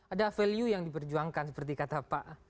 ada value yang diperjuangkan seperti kata pak